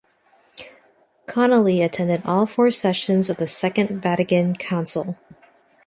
Connolly attended all four sessions of the Second Vatican Council.